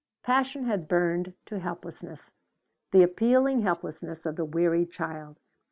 Passion had burned to helplessness, the appealing helplessness of the weary child.